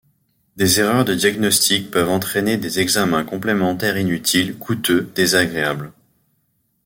Des erreurs de diagnostics peuvent entraîner des examens complémentaires inutiles, coûteux, désagréables.